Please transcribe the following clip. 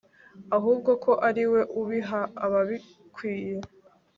ahubwo ko ari we ubiha ababikwiye